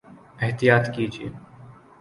احطیاط کیجئے